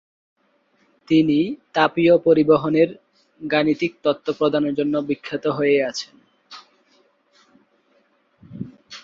তিনি তাপীয় পরিবহনের গাণিতিক তত্ত্ব প্রদানের জন্য বিখ্যাত হয়ে আছেন।